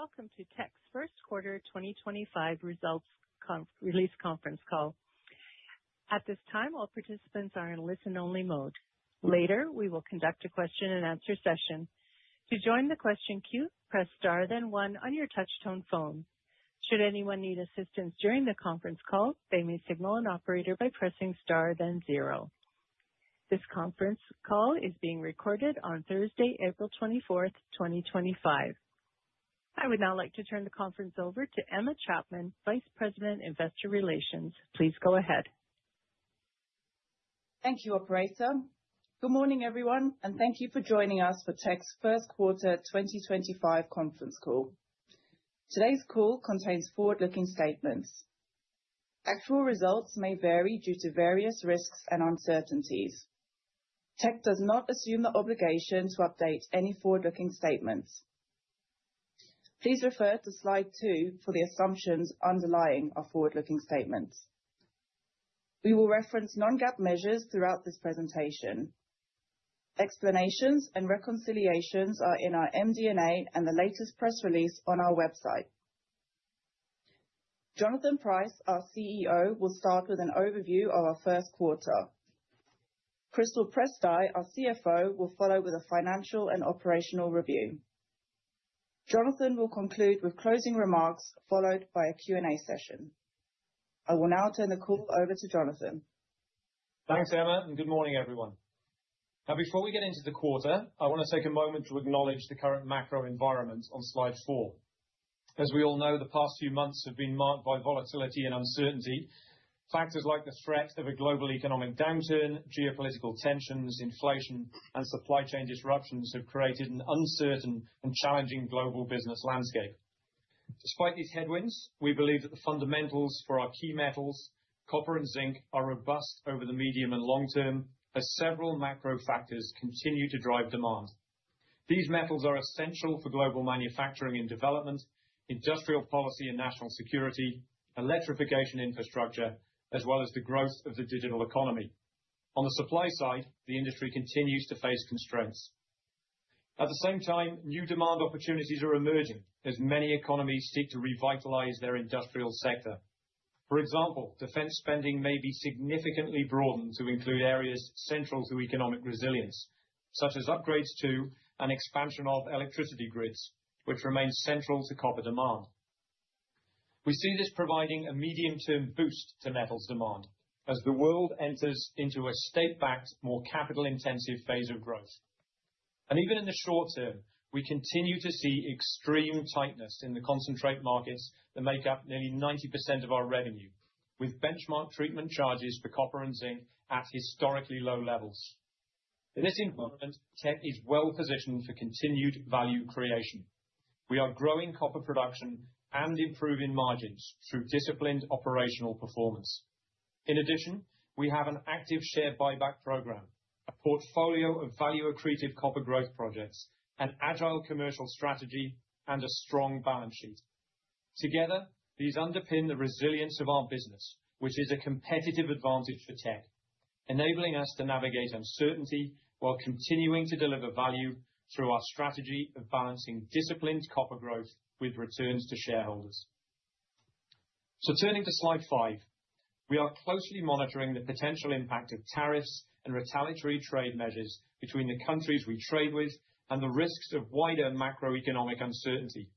Welcome to Teck's First Quarter 2025 Results Release Conference Call. At this time, all participants are in listen-only mode. Later, we will conduct a question-and-answer session. To join the question queue, press star then one on your touch-tone phone. Should anyone need assistance during the conference call, they may signal an operator by pressing star then zero. This conference call is being recorded on Thursday, April 24th, 2025. I would now like to turn the conference over to Emma Chapman, Vice President, Investor Relations. Please go ahead. Thank you, Operator. Good morning, everyone, and thank you for joining us for Teck's First Quarter 2025 Conference Call. Today's call contains forward-looking statements. Actual results may vary due to various risks and uncertainties. Teck does not assume the obligation to update any forward-looking statements. Please refer to slide two for the assumptions underlying our forward-looking statements. We will reference non-GAAP measures throughout this presentation. Explanations and reconciliations are in our MD&A and the latest press release on our website. Jonathan Price, our CEO, will start with an overview of our first quarter. Crystal Prystai, our CFO, will follow with a financial and operational review. Jonathan will conclude with closing remarks followed by a Q&A session. I will now turn the call over to Jonathan. Thanks, Emma, and good morning, everyone. Now, before we get into the quarter, I want to take a moment to acknowledge the current macro environment on slide four. As we all know, the past few months have been marked by volatility and uncertainty. Factors like the threat of a global economic downturn, geopolitical tensions, inflation, and supply chain disruptions have created an uncertain and challenging global business landscape. Despite these headwinds, we believe that the fundamentals for our key metals, copper and zinc, are robust over the medium and long term as several macro factors continue to drive demand. These metals are essential for global manufacturing and development, industrial policy and national security, electrification infrastructure, as well as the growth of the digital economy. On the supply side, the industry continues to face constraints. At the same time, new demand opportunities are emerging as many economies seek to revitalize their industrial sector. For example, defense spending may be significantly broadened to include areas central to economic resilience, such as upgrades to and expansion of electricity grids, which remain central to copper demand. We see this providing a medium-term boost to metals demand as the world enters into a state-backed, more capital-intensive phase of growth. Even in the short term, we continue to see extreme tightness in the concentrate markets that make up nearly 90% of our revenue, with benchmark treatment charges for copper and zinc at historically low levels. In this environment, Teck is well positioned for continued value creation. We are growing copper production and improving margins through disciplined operational performance. In addition, we have an active share buyback program, a portfolio of value-accretive copper growth projects, an agile commercial strategy, and a strong balance sheet. Together, these underpin the resilience of our business, which is a competitive advantage for Teck, enabling us to navigate uncertainty while continuing to deliver value through our strategy of balancing disciplined copper growth with returns to shareholders. Turning to slide five, we are closely monitoring the potential impact of tariffs and retaliatory trade measures between the countries we trade with and the risks of wider macroeconomic uncertainty.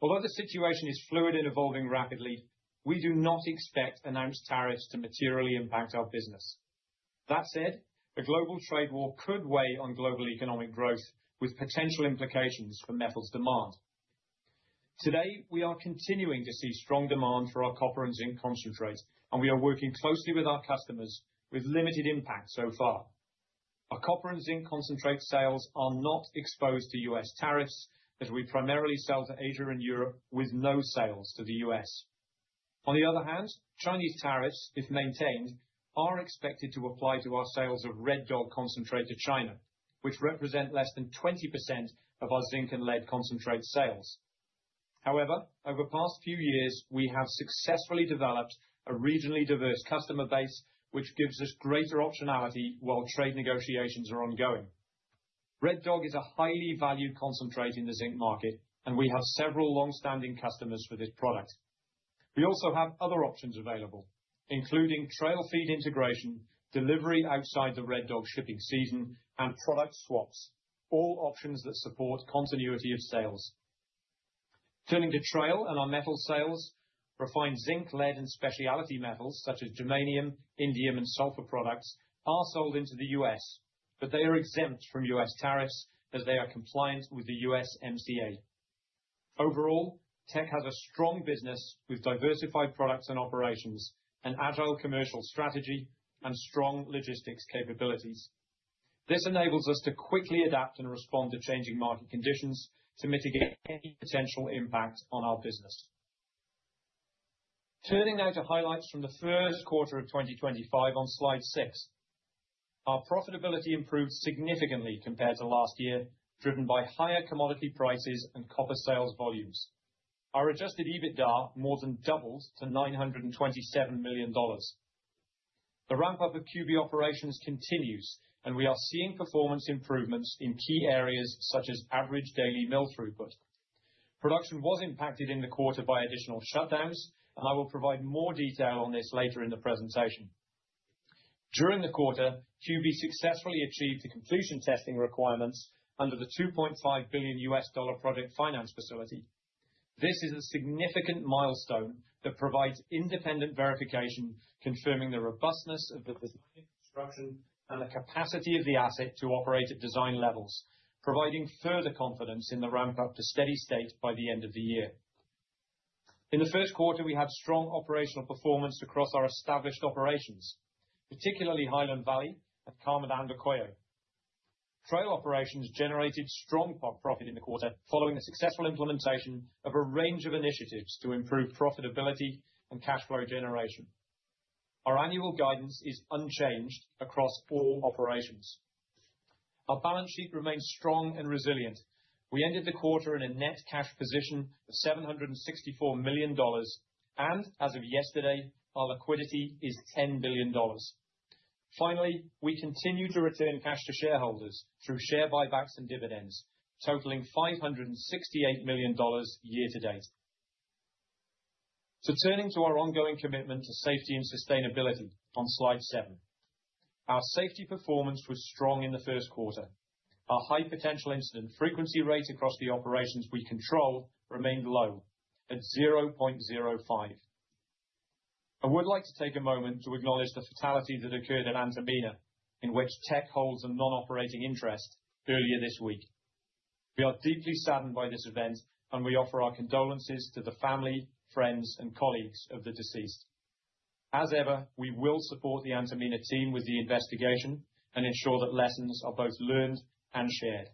Although the situation is fluid and evolving rapidly, we do not expect announced tariffs to materially impact our business. That said, a global trade war could weigh on global economic growth with potential implications for metals demand. Today, we are continuing to see strong demand for our copper and zinc concentrate, and we are working closely with our customers with limited impact so far. Our copper and zinc concentrate sales are not exposed to U.S. tariffs, as we primarily sell to Asia and Europe with no sales to the U.S. On the other hand, Chinese tariffs, if maintained, are expected to apply to our sales of Red Dog concentrate to China, which represent less than 20% of our zinc and lead concentrate sales. However, over the past few years, we have successfully developed a regionally diverse customer base, which gives us greater optionality while trade negotiations are ongoing. Red Dog is a highly valued concentrate in the zinc market, and we have several long-standing customers for this product. We also have other options available, including Trail feed integration, delivery outside the Red Dog shipping season, and product swaps, all options that support continuity of sales. Turning to Trail and our metal sales, refined zinc, lead, and specialty metals such as germanium, indium, and sulfur products are sold into the U.S., but they are exempt from U.S. tariffs as they are compliant with the USMCA. Overall, Teck has a strong business with diversified products and operations, an agile commercial strategy, and strong logistics capabilities. This enables us to quickly adapt and respond to changing market conditions to mitigate any potential impact on our business. Turning now to highlights from the first quarter of 2025 on slide six, our profitability improved significantly compared to last year, driven by higher commodity prices and copper sales volumes. Our adjusted EBITDA more than doubled to $927 million. The ramp-up of QB operations continues, and we are seeing performance improvements in key areas such as average daily mill throughput. Production was impacted in the quarter by additional shutdowns, and I will provide more detail on this later in the presentation. During the quarter, QB successfully achieved the completion testing requirements under the $2.5 billion U.S. dollar project finance facility. This is a significant milestone that provides independent verification confirming the robustness of the design and construction and the capacity of the asset to operate at design levels, providing further confidence in the ramp-up to steady state by the end of the year. In the first quarter, we had strong operational performance across our established operations, particularly Highland Valley and Carmen de Andacollo. Trail operations generated strong profit in the quarter following the successful implementation of a range of initiatives to improve profitability and cash flow generation. Our annual guidance is unchanged across all operations. Our balance sheet remains strong and resilient. We ended the quarter in a net cash position of $764 million, and as of yesterday, our liquidity is $10 billion. Finally, we continue to return cash to shareholders through share buybacks and dividends, totaling $568 million year to date. Turning to our ongoing commitment to safety and sustainability on slide seven, our safety performance was strong in the first quarter. Our high potential incident frequency rate across the operations we control remained low at 0.05. I would like to take a moment to acknowledge the fatality that occurred at Antamina, in which Teck holds a non-operating interest earlier this week. We are deeply saddened by this event, and we offer our condolences to the family, friends, and colleagues of the deceased. As ever, we will support the Antamina team with the investigation and ensure that lessons are both learned and shared.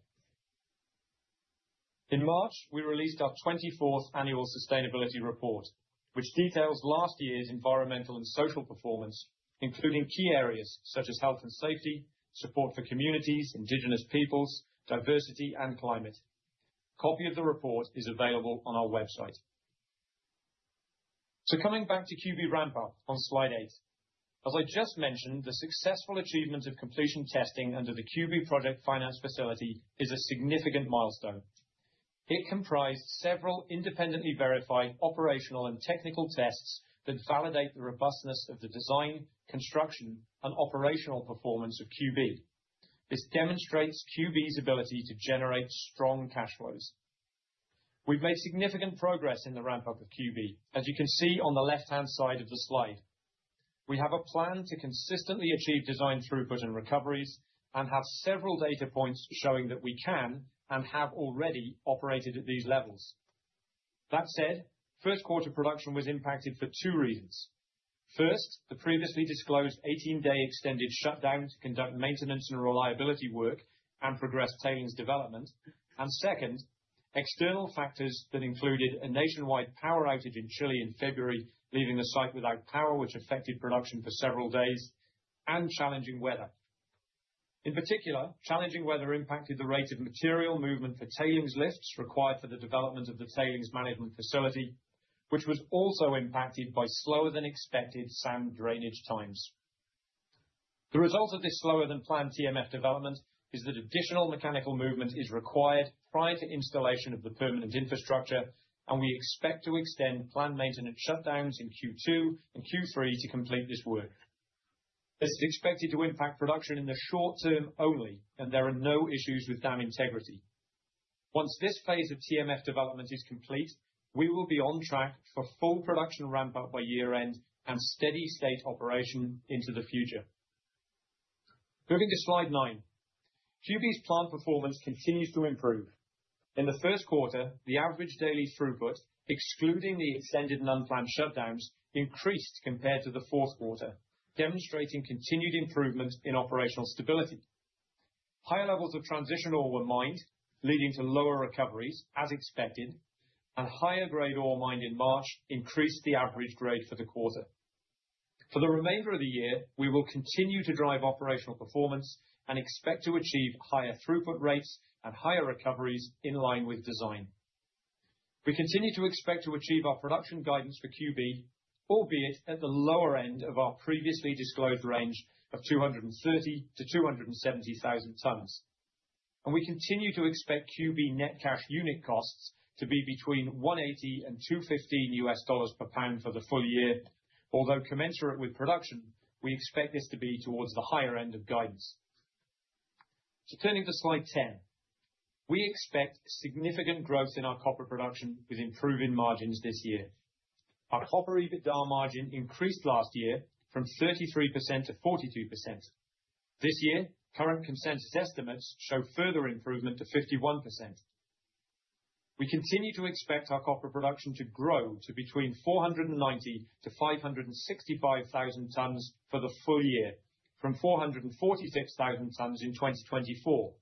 In March, we released our 24th annual sustainability report, which details last year's environmental and social performance, including key areas such as health and safety, support for communities, Indigenous peoples, diversity, and climate. A copy of the report is available on our website. Coming back to QB ramp-up on slide eight, as I just mentioned, the successful achievement of completion testing under the QB project finance facility is a significant milestone. It comprised several independently verified operational and technical tests that validate the robustness of the design, construction, and operational performance of QB. This demonstrates QB's ability to generate strong cash flows. We've made significant progress in the ramp-up of QB, as you can see on the left-hand side of the slide. We have a plan to consistently achieve design throughput and recoveries and have several data points showing that we can and have already operated at these levels. That said, first quarter production was impacted for two reasons. First, the previously disclosed 18-day extended shutdown to conduct maintenance and reliability work and progress tailings development. Second, external factors that included a nationwide power outage in Chile in February, leaving the site without power, which affected production for several days, and challenging weather. In particular, challenging weather impacted the rate of material movement for tailings lifts required for the development of the tailings management facility, which was also impacted by slower-than-expected sand drainage times. The result of this slower-than-planned TMF development is that additional mechanical movement is required prior to installation of the permanent infrastructure, and we expect to extend planned maintenance shutdowns in Q2 and Q3 to complete this work. This is expected to impact production in the short term only, and there are no issues with dam integrity. Once this phase of TMF development is complete, we will be on track for full production ramp-up by year-end and steady state operation into the future. Moving to slide nine, QB's planned performance continues to improve. In the first quarter, the average daily throughput, excluding the extended and unplanned shutdowns, increased compared to the fourth quarter, demonstrating continued improvement in operational stability. Higher levels of transition ore were mined, leading to lower recoveries, as expected, and higher-grade ore mined in March increased the average grade for the quarter. For the remainder of the year, we will continue to drive operational performance and expect to achieve higher throughput rates and higher recoveries in line with design. We continue to expect to achieve our production guidance for QB, albeit at the lower end of our previously disclosed range of 230,000-270,000 tons. We continue to expect QB net cash unit costs to be between $1.80 and $2.15 per pound for the full year. Although commensurate with production, we expect this to be towards the higher end of guidance. Turning to slide ten, we expect significant growth in our copper production with improving margins this year. Our copper EBITDA margin increased last year from 33% to 42%. This year, current consensus estimates show further improvement to 51%. We continue to expect our copper production to grow to between 490,000-565,000 tons for the full year, from 446,000 tons in 2024,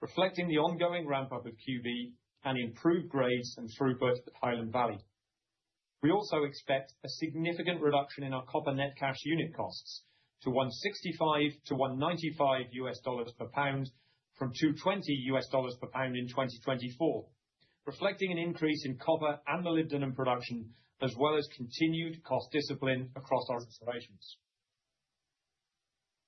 reflecting the ongoing ramp-up of QB and improved grades and throughput at Highland Valley. We also expect a significant reduction in our copper net cash unit costs to $1.65-$1.95 per pound from $2.20 per pound in 2024, reflecting an increase in copper and the Highland Valley production, as well as continued cost discipline across our operations.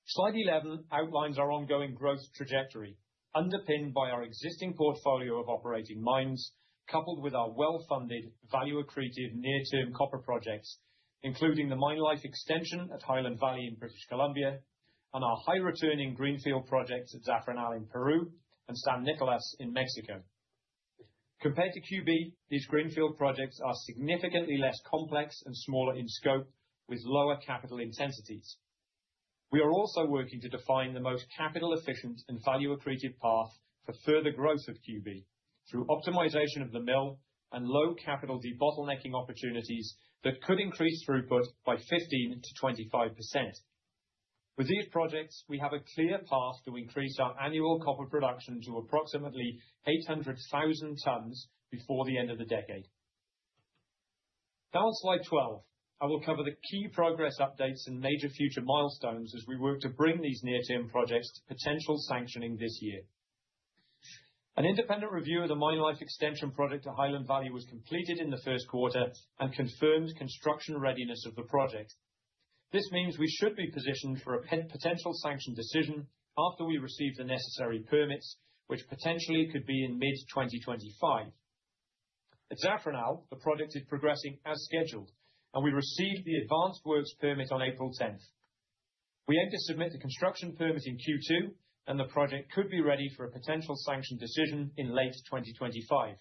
Slide 11 outlines our ongoing growth trajectory, underpinned by our existing portfolio of operating mines, coupled with our well-funded value-accretive near-term copper projects, including the MineLife extension at Highland Valley in British Columbia, and our high-returning greenfield projects at Zafranal in Peru and San Nicolás in Mexico. Compared to QB, these greenfield projects are significantly less complex and smaller in scope, with lower capital intensities. We are also working to define the most capital-efficient and value-accretive path for further growth of QB through optimization of the mill and low capital debottlenecking opportunities that could increase throughput by 15%-25%. With these projects, we have a clear path to increase our annual copper production to approximately 800,000 tons before the end of the decade. Now, on slide 12, I will cover the key progress updates and major future milestones as we work to bring these near-term projects to potential sanctioning this year. An independent review of the MineLife extension project at Highland Valley was completed in the first quarter and confirmed construction readiness of the project. This means we should be positioned for a potential sanction decision after we receive the necessary permits, which potentially could be in mid-2025. At Zafranal, the project is progressing as scheduled, and we received the advanced works permit on April 10th. We aim to submit the construction permit in Q2, and the project could be ready for a potential sanction decision in late 2025.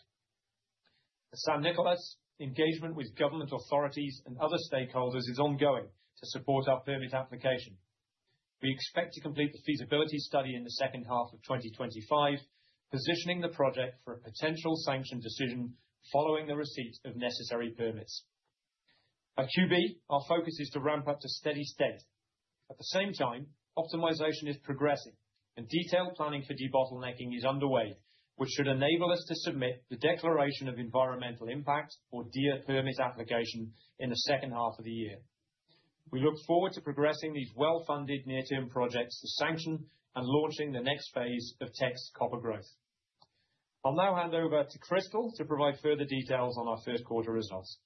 At San Nicolás, engagement with government authorities and other stakeholders is ongoing to support our permit application. We expect to complete the feasibility study in the second half of 2025, positioning the project for a potential sanction decision following the receipt of necessary permits. At QB, our focus is to ramp up to steady state. At the same time, optimization is progressing, and detailed planning for debottlenecking is underway, which should enable us to submit the declaration of environmental impact or DEIR permit application in the second half of the year. We look forward to progressing these well-funded near-term projects to sanction and launching the next phase of Teck's copper growth. I'll now hand over to Crystal to provide further details on our first quarter results.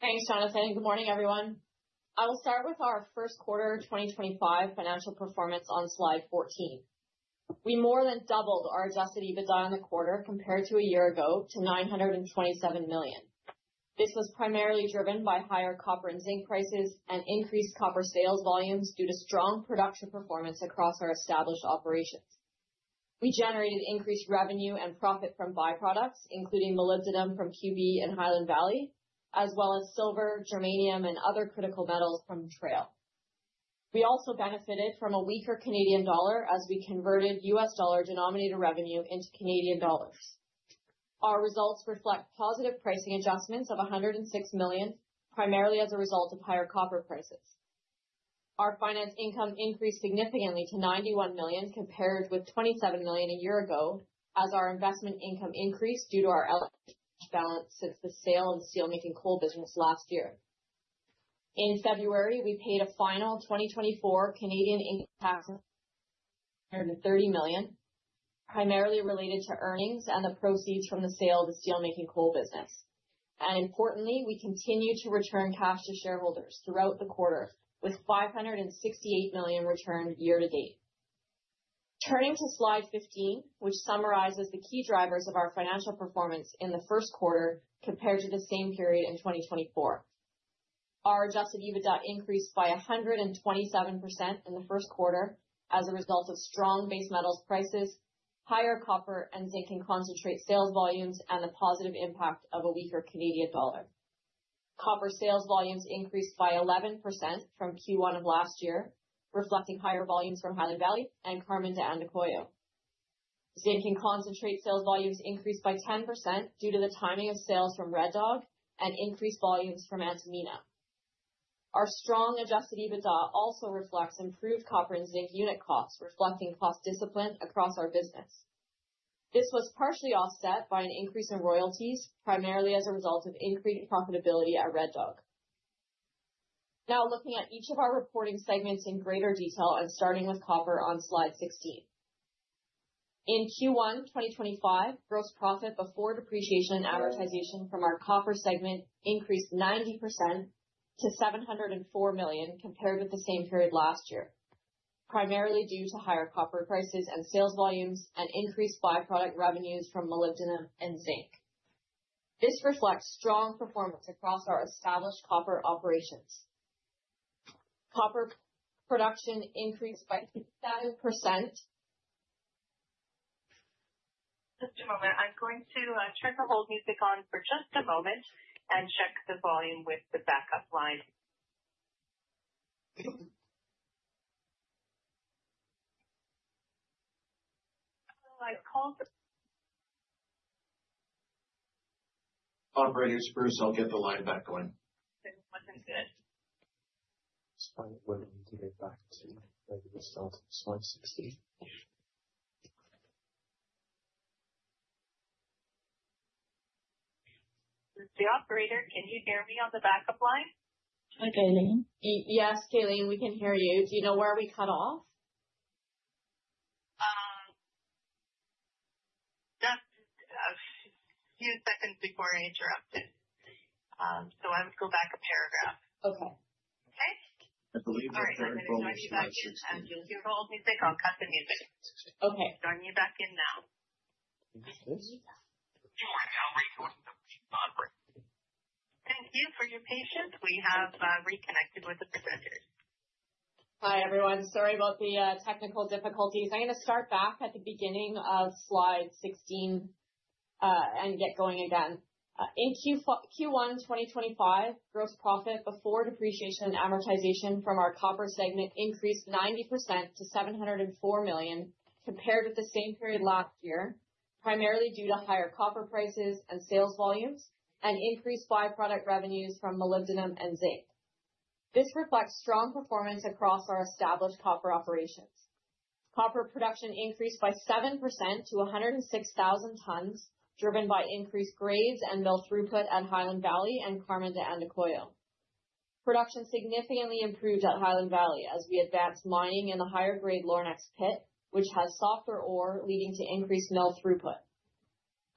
Thanks, Jonathan. Good morning, everyone. I will start with our first quarter 2025 financial performance on slide 14. We more than doubled our adjusted EBITDA on the quarter compared to a year ago to $927 million. This was primarily driven by higher copper and zinc prices and increased copper sales volumes due to strong production performance across our established operations. We generated increased revenue and profit from byproducts, including the molybdenum from QB and Highland Valley, as well as silver, germanium, and other critical metals from Trail. We also benefited from a weaker Canadian dollar as we converted U.S. dollar denominated revenue into Canadian dollars. Our results reflect positive pricing adjustments of $106 million, primarily as a result of higher copper prices. Our finance income increased significantly to $91 million compared with $27 million a year ago, as our investment income increased due to our balance since the sale of the steelmaking coal business last year. In February, we paid a final 2024 Canadian income tax of CAD 130 million, primarily related to earnings and the proceeds from the sale of the steelmaking coal business. Importantly, we continue to return cash to shareholders throughout the quarter, with 568 million returned year to date. Turning to slide 15, which summarizes the key drivers of our financial performance in the first quarter compared to the same period in 2024, our adjusted EBITDA increased by 127% in the first quarter as a result of strong base metals prices, higher copper and zinc in concentrate sales volumes, and the positive impact of a weaker Canadian dollar. Copper sales volumes increased by 11% from Q1 of last year, reflecting higher volumes from Highland Valley and Carmen de Andacollo. Zinc in concentrate sales volumes increased by 10% due to the timing of sales from Red Dog and increased volumes from Antamina. Our strong adjusted EBITDA also reflects improved copper and zinc unit costs, reflecting cost discipline across our business. This was partially offset by an increase in royalties, primarily as a result of increased profitability at Red Dog. Now, looking at each of our reporting segments in greater detail, and starting with copper on slide 16. In Q1 2025, gross profit before depreciation and amortization from our copper segment increased 90% to $704 million compared with the same period last year, primarily due to higher copper prices and sales volumes and increased byproduct revenues from molybdenum and zinc. This reflects strong performance across our established copper operations. Copper production increased by 7%. Just a moment. I'm going to turn the hold music on for just a moment and check the volume with the backup line. Operator, Spruce, I'll get the line back going. Wasn't good. Just find it where we need to get back to where we started. Slide 16. The operator, can you hear me on the backup line? Hi, Kaylene. Yes, Kaylene, we can hear you. Do you know where we cut off? Just a few seconds before I interrupted. I'll go back a paragraph. Okay. Okay. I believe we're good. All right. Let me join you back in. You'll hear the old music. I'll cut the music. Okay. Join me back in now. Thank you for your patience. We have reconnected with the presenters. Hi, everyone. Sorry about the technical difficulties. I'm going to start back at the beginning of slide 16 and get going again. In Q1 2025, gross profit before depreciation and amortization from our copper segment increased 90% to $704 million compared with the same period last year, primarily due to higher copper prices and sales volumes and increased byproduct revenues from molybdenum and zinc. This reflects strong performance across our established copper operations. Copper production increased by 7% to 106,000 tons, driven by increased grades and mill throughput at Highland Valley and Carmen de Andacollo. Production significantly improved at Highland Valley as we advanced mining in the higher-grade Lornex pit, which has softer ore, leading to increased mill throughput.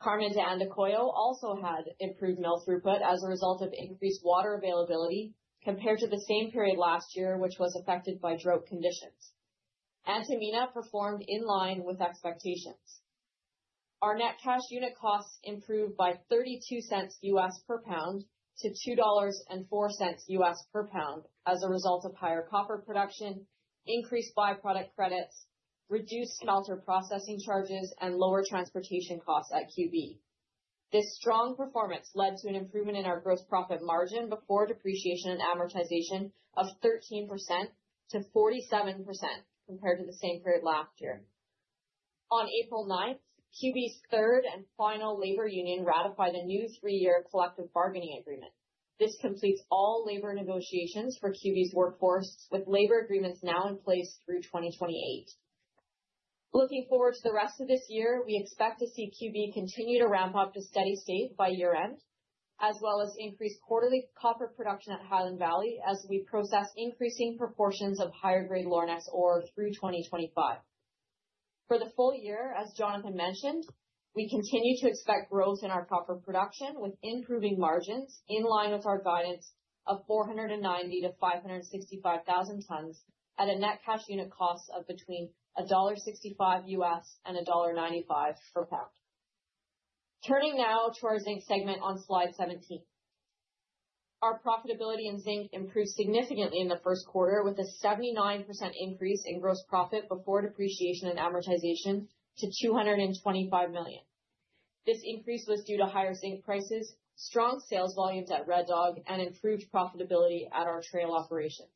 Carmen de Andacollo also had improved mill throughput as a result of increased water availability compared to the same period last year, which was affected by drought conditions. Antamina performed in line with expectations. Our net cash unit costs improved by $0.32 per pound to $2.04 U.S. per pound as a result of higher copper production, increased byproduct credits, reduced smelter processing charges, and lower transportation costs at QB. This strong performance led to an improvement in our gross profit margin before depreciation and amortization of 13% to 47% compared to the same period last year. On April 9, QB's third and final labor union ratified a new three-year collective bargaining agreement. This completes all labor negotiations for QB's workforce, with labor agreements now in place through 2028. Looking forward to the rest of this year, we expect to see QB continue to ramp up to steady state by year-end, as well as increased quarterly copper production at Highland Valley as we process increasing proportions of higher-grade Lornex ore through 2025. For the full year, as Jonathan mentioned, we continue to expect growth in our copper production with improving margins in line with our guidance of 490,000-565,000 tons at a net cash unit cost of between $1.65 and $1.95 per pound. Turning now to our zinc segment on slide 17. Our profitability in zinc improved significantly in the first quarter, with a 79% increase in gross profit before depreciation and amortization to $225 million. This increase was due to higher zinc prices, strong sales volumes at Red Dog, and improved profitability at our Trail operations.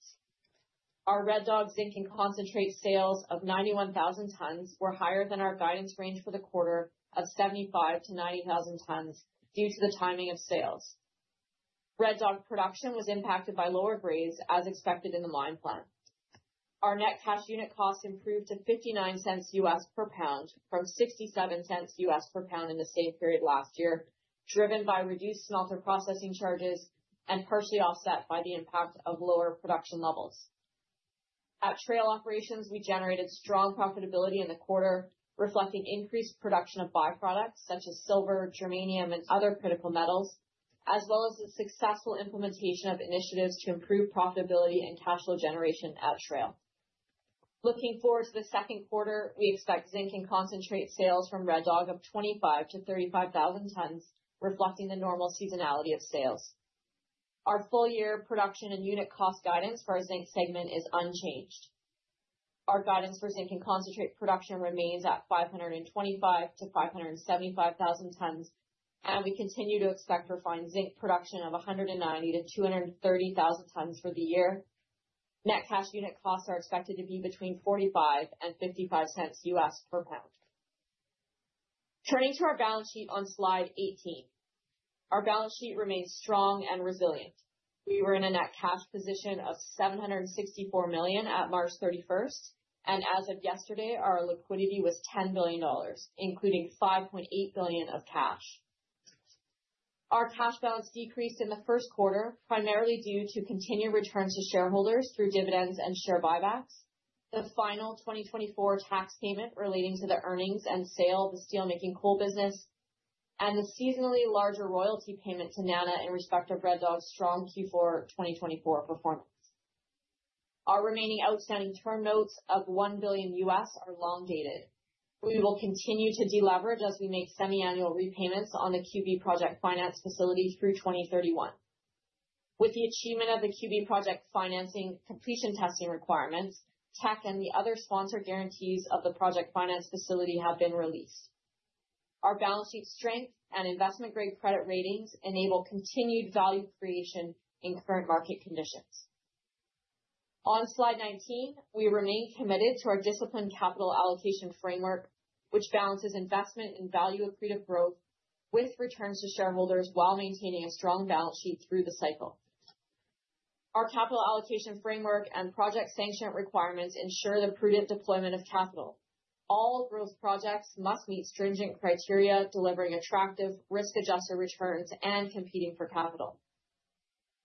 Our Red Dog zinc in concentrate sales of 91,000 tons were higher than our guidance range for the quarter of 75,000-90,000 tons due to the timing of sales. Red Dog production was impacted by lower grades, as expected in the mine plan. Our net cash unit cost improved to $0.59 U.S. per pound from $0.67 U.S. per pound in the same period last year, driven by reduced smelter processing charges and partially offset by the impact of lower production levels. At Trail operations, we generated strong profitability in the quarter, reflecting increased production of byproducts such as silver, germanium, and other critical metals, as well as the successful implementation of initiatives to improve profitability and cash flow generation at Trail. Looking forward to the second quarter, we expect zinc in concentrate sales from Red Dog of 25,000-35,000 tons, reflecting the normal seasonality of sales. Our full-year production and unit cost guidance for our zinc segment is unchanged. Our guidance for zinc in concentrate production remains at 525,000-575,000 tons, and we continue to expect refined zinc production of 190,000-230,000 tons for the year. Net cash unit costs are expected to be between $0.45 and $0.55 U.S. per pound. Turning to our balance sheet on slide 18, our balance sheet remains strong and resilient. We were in a net cash position of $764 million at March 31st, and as of yesterday, our liquidity was $10 billion, including $5.8 billion of cash. Our cash balance decreased in the first quarter, primarily due to continued returns to shareholders through dividends and share buybacks, the final 2024 tax payment relating to the earnings and sale of the steelmaking coal business, and the seasonally larger royalty payment to NANA in respect of Red Dog's strong Q4 2024 performance. Our remaining outstanding term notes of $1 billion U.S. are long dated. We will continue to deleverage as we make semi-annual repayments on the QB project finance facility through 2031. With the achievement of the QB project financing completion testing requirements, Teck and the other sponsor guarantees of the project finance facility have been released. Our balance sheet strength and investment-grade credit ratings enable continued value creation in current market conditions. On slide 19, we remain committed to our disciplined capital allocation framework, which balances investment and value accretive growth with returns to shareholders while maintaining a strong balance sheet through the cycle. Our capital allocation framework and project sanction requirements ensure the prudent deployment of capital. All growth projects must meet stringent criteria, delivering attractive risk-adjusted returns and competing for capital.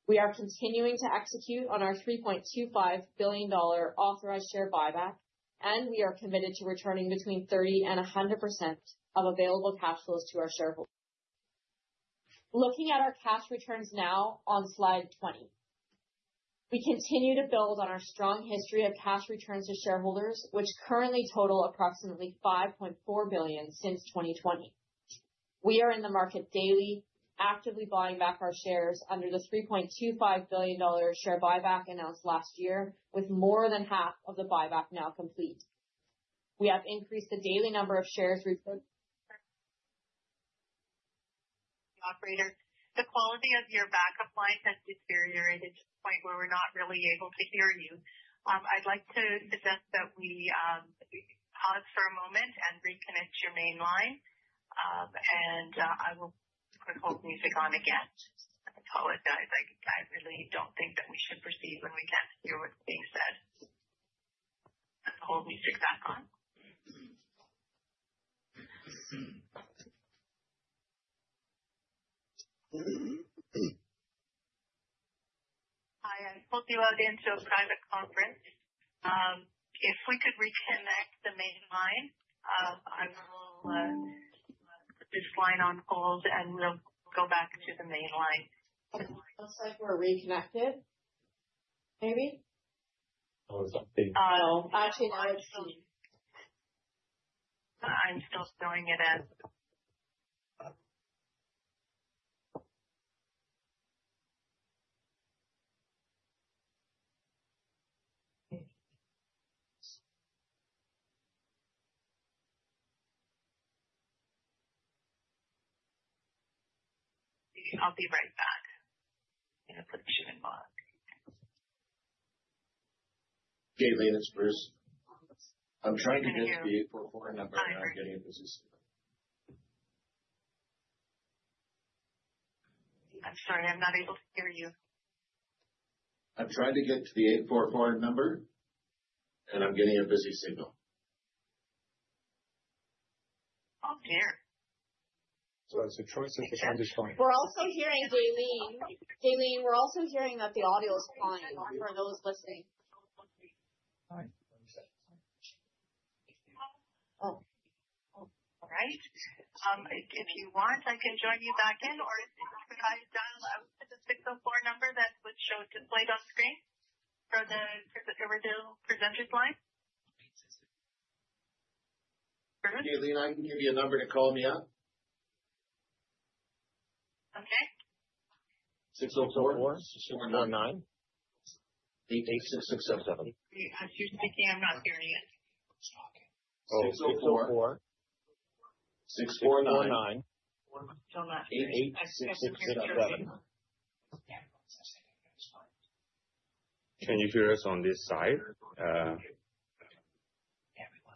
We are continuing to execute on our $3.25 billion authorized share buyback, and we are committed to returning between 30% and 100% of available cash flows to our shareholders. Looking at our cash returns now on slide 20, we continue to build on our strong history of cash returns to shareholders, which currently total approximately $5.4 billion since 2020. We are in the market daily, actively buying back our shares under the $3.25 billion share buyback announced last year, with more than half of the buyback now complete. We have increased the daily number of shares reported. Operator, the quality of your backup line has deteriorated to the point where we're not really able to hear you. I'd like to suggest that we pause for a moment and reconnect your main line, and I will put the hold music on again. I apologize. I really don't think that we should proceed when we can't hear what's being said. Put the hold music back on. Hi. I'm supposed to log into a private conference. If we could reconnect the main line, I will put this line on hold, and we'll go back to the main line. Looks like we're reconnected. Maybe? Oh, it's updating. Oh, actually, now it's coming. I'm still showing it as. I'll be right back. I'm going to put the shipment log. Kaylene, it's Bruce. I'm trying to get to the 844 number, and I'm getting a busy signal. I'm sorry. I'm not able to hear you. I'm trying to get to the 844 number, and I'm getting a busy signal. Oh, dear. So it's a choice of the underscore. We're also hearing, Kaylene. Kaylene, we're also hearing that the audio is fine for those listening. All right. All right. If you want, I can join you back in, or if you guys dial out to the 604 number that was showed displayed on screen for the original presenters line. Bruce? Kaylene, I can give you a number to call me at. Okay. 604-6499-886677. You're speaking. I'm not hearing it. 604-6499-886677. Can you hear us on this side? Everyone's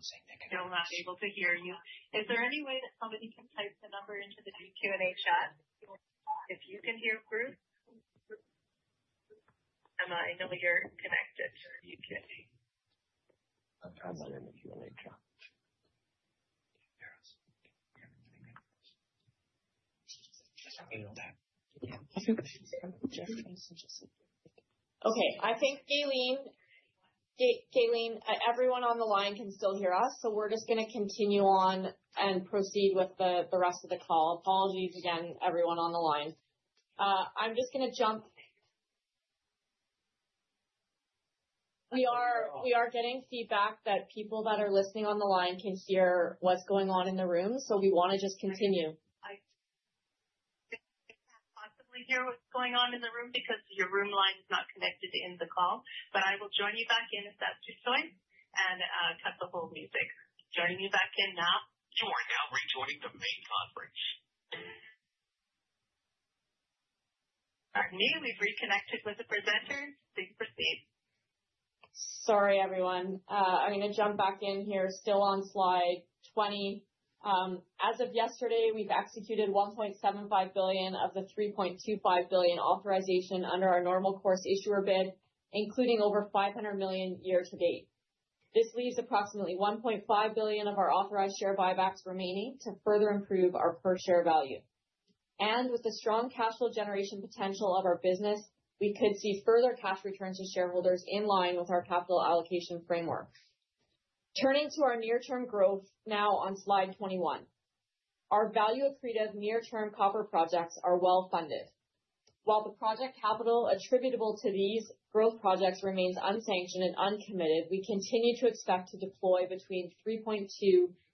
saying they can. Still not able to hear you. Is there any way that somebody can type the number into the Q&A chat? If you can hear Bruce, Emma, I know you're connected. You can't. I'm not in the Q&A chat. Okay. I think Kaylene, everyone on the line can still hear us, so we're just going to continue on and proceed with the rest of the call. Apologies again, everyone on the line. I'm just going to jump. We are getting feedback that people that are listening on the line can hear what's going on in the room, so we want to just continue. They can't possibly hear what's going on in the room because your room line is not connected in the call, but I will join you back in if that's your choice and cut the hold music. Joining you back in now. You are now rejoining the main conference. All right. May we reconnect with the presenters? Please proceed. Sorry, everyone. I'm going to jump back in here, still on slide 20. As of yesterday, we've executed $1.75 billion of the $3.25 billion authorization under our normal course issuer bid, including over $500 million year-to-date. This leaves approximately $1.5 billion of our authorized share buybacks remaining to further improve our per-share value. With the strong cash flow generation potential of our business, we could see further cash returns to shareholders in line with our capital allocation framework. Turning to our near-term growth now on slide 21, our value accretive near-term copper projects are well-funded. While the project capital attributable to these growth projects remains unsanctioned and uncommitted, we continue to expect to deploy between $3.2 billion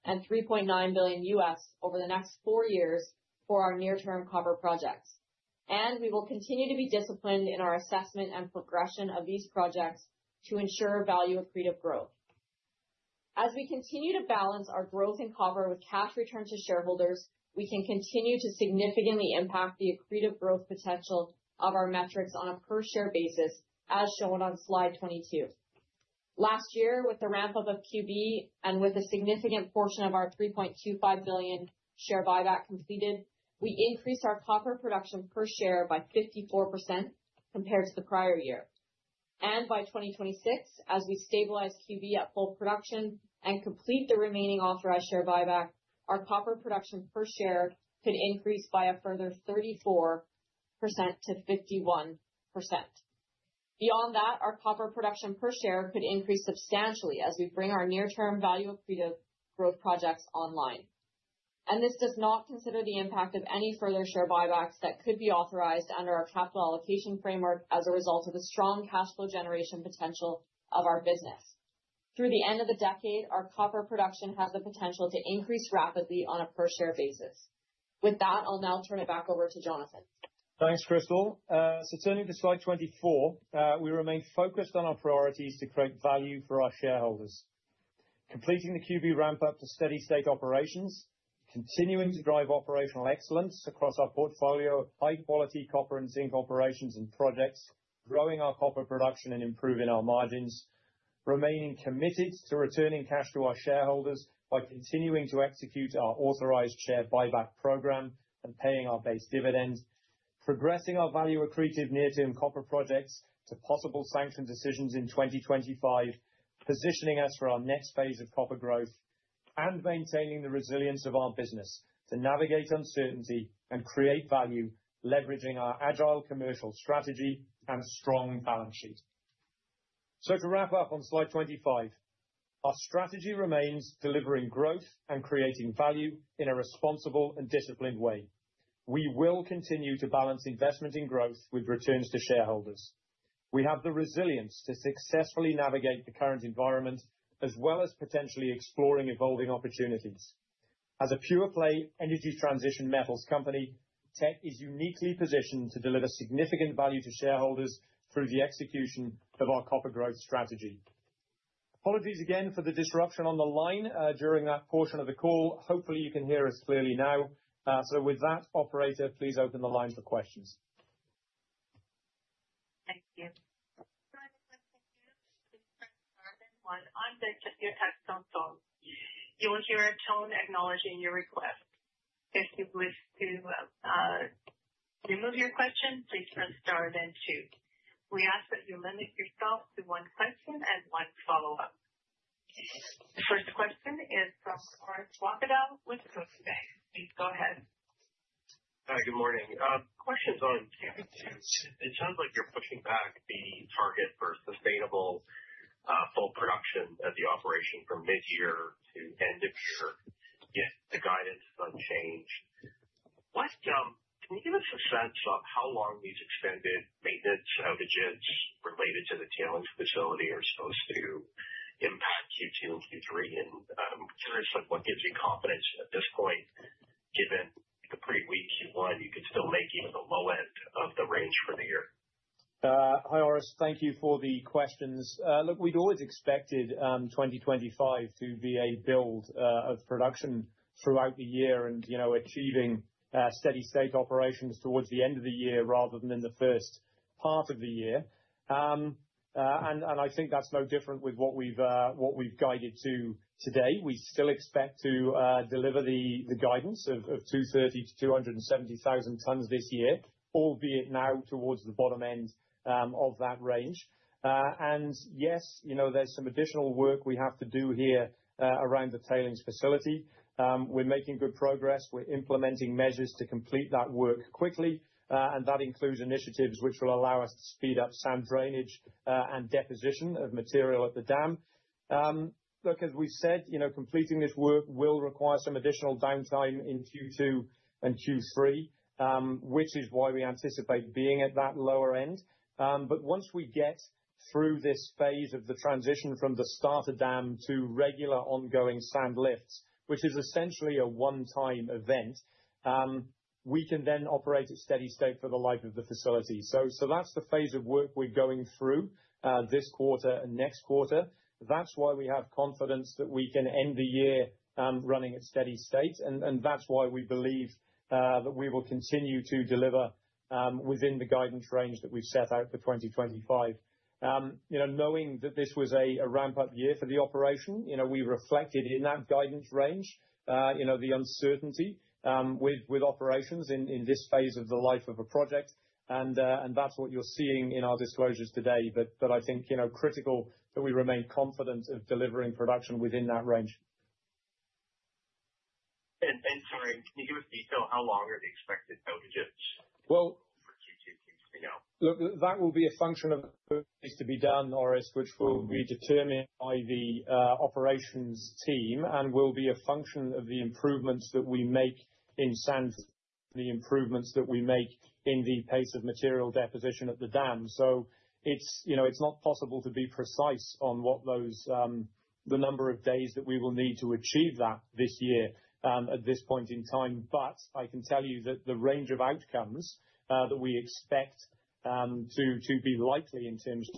and $3.9 billion U.S. over the next four years for our near-term copper projects. We will continue to be disciplined in our assessment and progression of these projects to ensure value accretive growth. As we continue to balance our growth in copper with cash returns to shareholders, we can continue to significantly impact the accretive growth potential of our metrics on a per-share basis, as shown on slide 22. Last year, with the ramp-up of QB and with a significant portion of our $3.25 billion share buyback completed, we increased our copper production per share by 54% compared to the prior year. By 2026, as we stabilize QB at full production and complete the remaining authorized share buyback, our copper production per share could increase by a further 34%-51%. Beyond that, our copper production per share could increase substantially as we bring our near-term value accretive growth projects online. This does not consider the impact of any further share buybacks that could be authorized under our capital allocation framework as a result of the strong cash flow generation potential of our business. Through the end of the decade, our copper production has the potential to increase rapidly on a per-share basis. With that, I'll now turn it back over to Jonathan. Thanks, Crystal. Turning to slide 24, we remain focused on our priorities to create value for our shareholders. Completing the QB ramp-up to steady state operations, continuing to drive operational excellence across our portfolio of high-quality copper and zinc operations and projects, growing our copper production and improving our margins, remaining committed to returning cash to our shareholders by continuing to execute our authorized share buyback program and paying our base dividend, progressing our value accretive near-term copper projects to possible sanction decisions in 2025, positioning us for our next phase of copper growth, and maintaining the resilience of our business to navigate uncertainty and create value, leveraging our agile commercial strategy and strong balance sheet. To wrap up on slide 25, our strategy remains delivering growth and creating value in a responsible and disciplined way. We will continue to balance investment in growth with returns to shareholders. We have the resilience to successfully navigate the current environment as well as potentially exploring evolving opportunities. As a pure-play energy transition metals company, Teck is uniquely positioned to deliver significant value to shareholders through the execution of our copper growth strategy. Apologies again for the disruption on the line during that portion of the call. Hopefully, you can hear us clearly now. With that, Operator, please open the line for questions. Thank you. To join the queue, please press star then one on your touchtone phone. You will hear a tone acknowledging your request. If you wish to remove your question, please press star then two. We ask that you limit yourself to one question and one follow-up. The first question is from Orest Wowkodaw with Scotiabank. Please go ahead. Hi. Good morning. Questions on. It sounds like you're pushing back the target for sustainable full production of the operation from mid-year to end of year. Yet the guidance is unchanged. Can you give us a sense of how long these extended maintenance outages related to the tailings facility are supposed to impact Q2 and Q3? I'm curious what gives you confidence at this point, given the pretty weak Q1 you could still make even the low end of the range for the year. Hi, Orest. Thank you for the questions. Look, we'd always expected 2025 to be a build of production throughout the year and achieving steady state operations towards the end of the year rather than in the first part of the year. I think that's no different with what we've guided to today. We still expect to deliver the guidance of 230,000-270,000 tons this year, albeit now towards the bottom end of that range. Yes, there's some additional work we have to do here around the tailings facility. We're making good progress. We're implementing measures to complete that work quickly. That includes initiatives which will allow us to speed up sand drainage and deposition of material at the dam. Look, as we've said, completing this work will require some additional downtime in Q2 and Q3, which is why we anticipate being at that lower end. Once we get through this phase of the transition from the starter dam to regular ongoing sand lifts, which is essentially a one-time event, we can then operate at steady state for the life of the facility. That is the phase of work we're going through this quarter and next quarter. That is why we have confidence that we can end the year running at steady state. That is why we believe that we will continue to deliver within the guidance range that we've set out for 2025. Knowing that this was a ramp-up year for the operation, we reflected in that guidance range the uncertainty with operations in this phase of the life of a project. That is what you're seeing in our disclosures today. I think critical that we remain confident of delivering production within that range. Sorry, can you give us detail how long are the expected outages? For Q2 Q3 now? Look, that will be a function of what needs to be done, Orest, which will be determined by the operations team and will be a function of the improvements that we make in sands, the improvements that we make in the pace of material deposition at the dam. It is not possible to be precise on the number of days that we will need to achieve that this year at this point in time. I can tell you that the range of outcomes that we expect to be likely in terms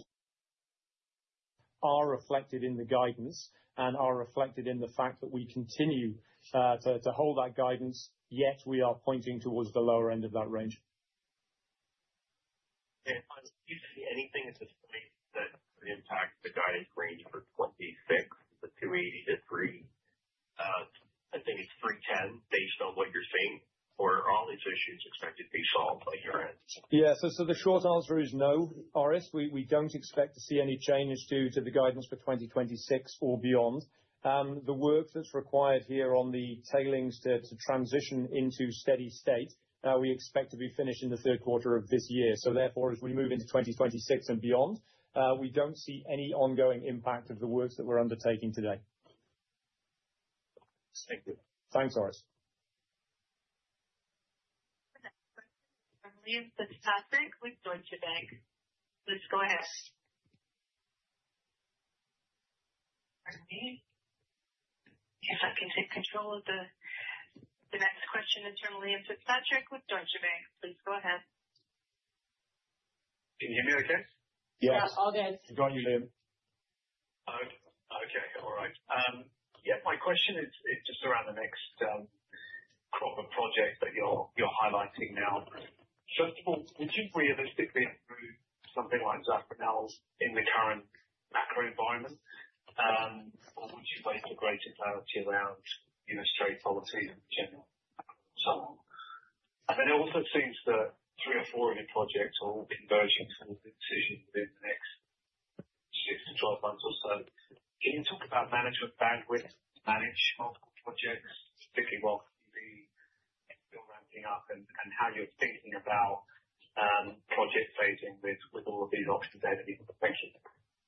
are reflected in the guidance and are reflected in the fact that we continue to hold that guidance, yet we are pointing towards the lower end of that range. Is there anything at this point that could impact the guidance range for 2026, the 280-3? I think it's 310. Based on what you're seeing, or are all these issues expected to be solved by year-end? Yeah. The short answer is no, Orest. We don't expect to see any changes due to the guidance for 2026 or beyond. The work that's required here on the tailings to transition into steady state, we expect to be finished in the third quarter of this year. Therefore, as we move into 2026 and beyond, we do not see any ongoing impact of the work that we are undertaking today. Thank you. Thanks, Orest. The next question is from Liam Fitzpatrick with Deutsche Bank. Please go ahead. Pardon me. If I can take control of the next question, it is from Liam Fitzpatrick with Deutsche Bank. Please go ahead. Can you hear me okay? Yes. Yeah. All good. You have got you, Liam. Okay. All right. Yeah. My question is just around the next proper project that you are highlighting now. First of all, would you realistically include something like Zafranal in the current macro environment, or would you place a greater clarity around straight policies in general? I mean, it also seems that three or four of your projects are all converging towards the decision within the next 6-12 months or so. Can you talk about management bandwidth to manage multiple projects, particularly while QB is still ramping up, and how you're thinking about project phasing with all of these options ahead of you? Thank you.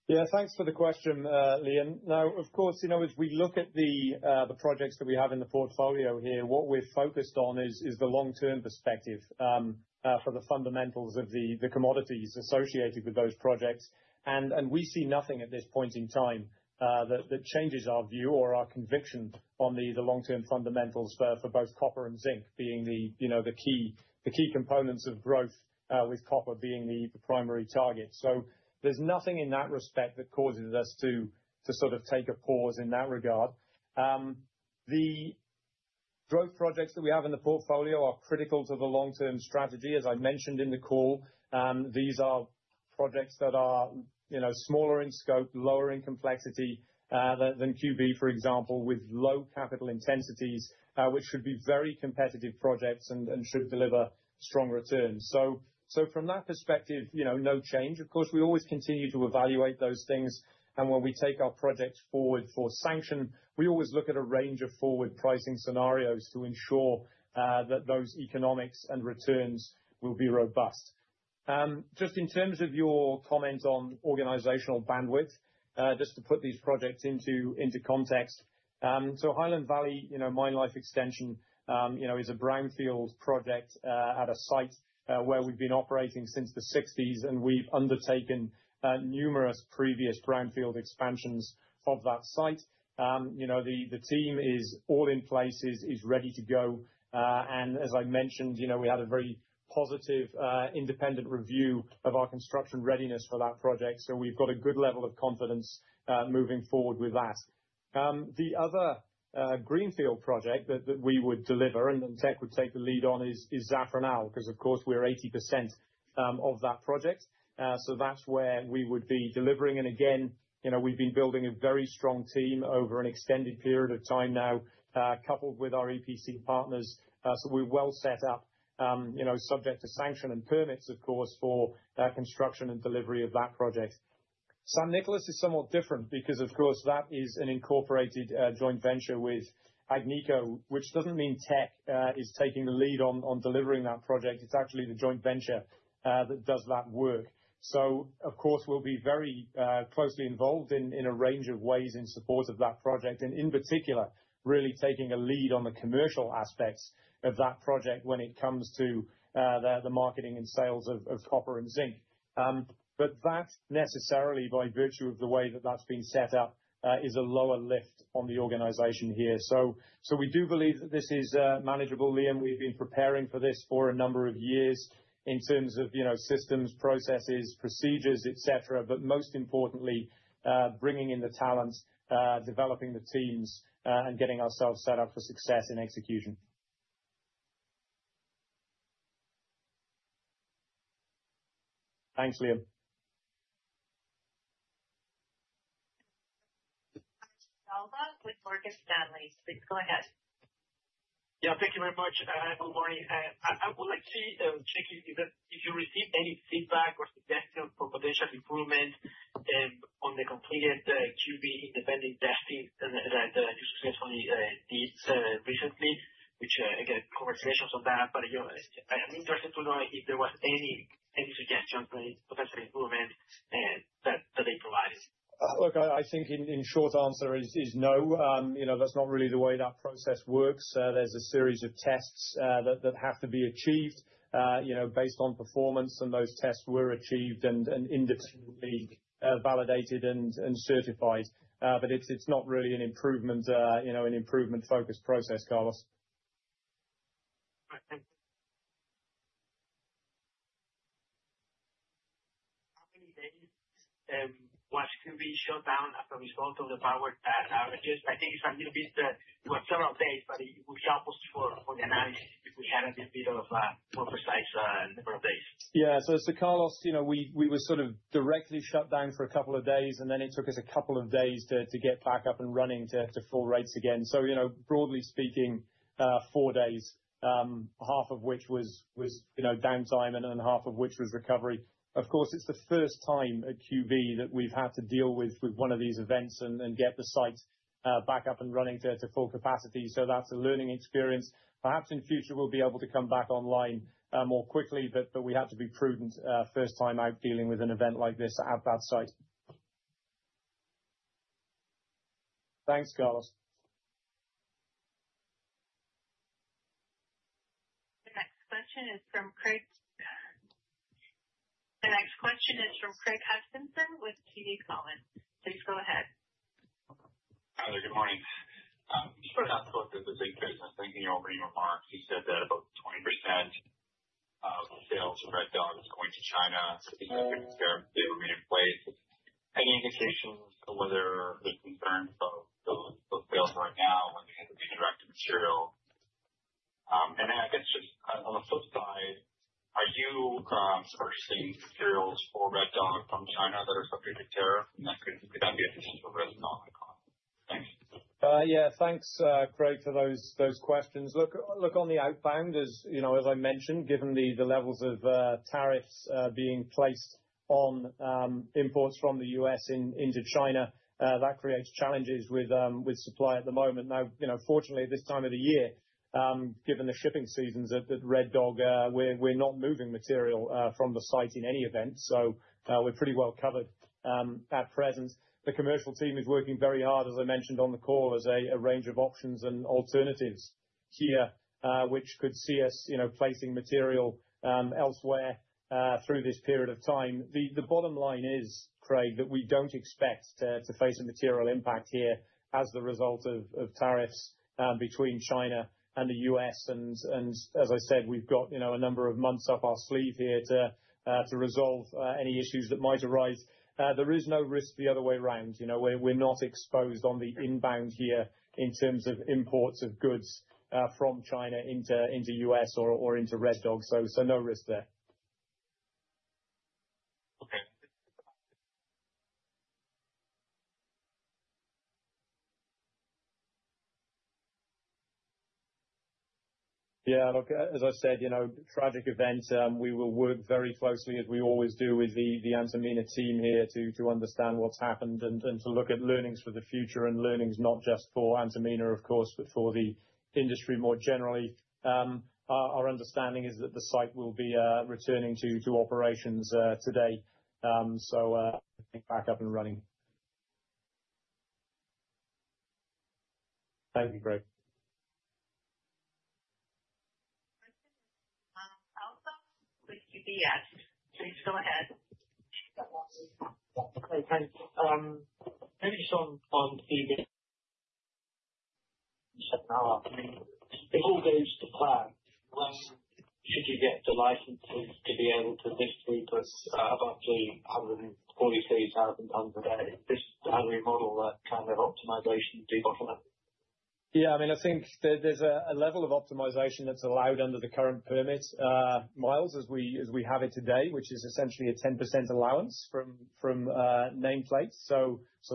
Yeah. Thanks for the question, Liam. Now, of course, as we look at the projects that we have in the portfolio here, what we're focused on is the long-term perspective for the fundamentals of the commodities associated with those projects. We see nothing at this point in time that changes our view or our conviction on the long-term fundamentals for both copper and zinc being the key components of growth, with copper being the primary target. There is nothing in that respect that causes us to sort of take a pause in that regard. The growth projects that we have in the portfolio are critical to the long-term strategy. As I mentioned in the call, these are projects that are smaller in scope, lower in complexity than QB, for example, with low capital intensities, which should be very competitive projects and should deliver strong returns. From that perspective, no change. Of course, we always continue to evaluate those things. When we take our projects forward for sanction, we always look at a range of forward pricing scenarios to ensure that those economics and returns will be robust. Just in terms of your comment on organizational bandwidth, just to put these projects into context, Highland Valley Mine Life Extension is a brownfield project at a site where we've been operating since the 1960s, and we've undertaken numerous previous brownfield expansions of that site. The team is all in place, is ready to go. As I mentioned, we had a very positive independent review of our construction readiness for that project. We have a good level of confidence moving forward with that. The other greenfield project that we would deliver and Teck would take the lead on is Zafranal because, of course, we are 80% of that project. That is where we would be delivering. Again, we have been building a very strong team over an extended period of time now, coupled with our EPC partners. We are well set up, subject to sanction and permits, of course, for construction and delivery of that project. San Nicolás is somewhat different because, of course, that is an incorporated joint venture with Agnico, which does not mean Teck is taking the lead on delivering that project. It is actually the joint venture that does that work. Of course, we'll be very closely involved in a range of ways in support of that project, and in particular, really taking a lead on the commercial aspects of that project when it comes to the marketing and sales of copper and zinc. That necessarily, by virtue of the way that that's been set up, is a lower lift on the organization here. We do believe that this is manageable, Liam. We've been preparing for this for a number of years in terms of systems, processes, procedures, etc., but most importantly, bringing in the talent, developing the teams, and getting ourselves set up for success in execution. Thanks, Liam. Carlos de Alba with Morgan Stanley. Please go ahead. Yeah. Thank you very much. Good morning. I would like to check if you received any feedback or suggestions for potential improvement on the completed QB independent testing that you successfully did recently, which, again, conversations on that. I am interested to know if there were any suggestions for any potential improvement that they provided. Look, I think in short answer is no. That is not really the way that process works. There is a series of tests that have to be achieved based on performance, and those tests were achieved and independently validated and certified. It is not really an improvement-focused process, Carlos. All right. Thank you. How many days was QB shut down as a result of the power outages? I think it is a little bit it was several days, but it would be helpful for the analysis if we had a bit of a more precise number of days. Yeah. Carlos, we were sort of directly shut down for a couple of days, and then it took us a couple of days to get back up and running to full rates again. Broadly speaking, four days, half of which was downtime and half of which was recovery. Of course, it's the first time at QB that we've had to deal with one of these events and get the site back up and running to full capacity. That's a learning experience. Perhaps in future, we'll be able to come back online more quickly, but we had to be prudent first time out dealing with an event like this at that site. Thanks, Carlos. The next question is from Craig. The next question is from Craig Hutchison with TD Cowen. Please go ahead. Hi there. Good morning. Sure. As I spoke with the Zinc business, thank you for your opening remarks. You said that about 20% of the sales of Red Dog is going to China. These are 50% of the remain in place. Any indications of whether there's concerns about those sales right now when they have to be directed material? I guess just on the flip side, are you purchasing materials for Red Dog from China that are subject to tariff? That could be a potential risk on the cost. Thanks. Yeah. Thanks, Craig, for those questions. Look, on the outbound, as I mentioned, given the levels of tariffs being placed on imports from the U.S. into China, that creates challenges with supply at the moment. Now, fortunately, at this time of the year, given the shipping seasons at Red Dog, we're not moving material from the site in any event. We're pretty well covered at present. The commercial team is working very hard, as I mentioned on the call, as a range of options and alternatives here, which could see us placing material elsewhere through this period of time. The bottom line is, Craig, that we don't expect to face a material impact here as the result of tariffs between China and the U.S. As I said, we've got a number of months up our sleeve here to resolve any issues that might arise. There is no risk the other way around. We're not exposed on the inbound here in terms of imports of goods from China into the U.S. or into Red Dog. No risk there. Okay. Yeah. Look, as I said, tragic event. We will work very closely, as we always do, with the Antamina team here to understand what's happened and to look at learnings for the future and learnings, not just for Antamina, of course, but for the industry more generally. Our understanding is that the site will be returning to operations today. Back up and running. Thank you, Craig. Question is from Myles Allsop, with UBS. Please go ahead. Thanks. Maybe just on QB, if it all goes to plan, when should you get the licenses to be able to distribute about 343,000 tons a day? Is this the only model that can have optimization to go from it? Yeah. I mean, I think there's a level of optimization that's allowed under the current permit, Myles, as we have it today, which is essentially a 10% allowance from nameplate.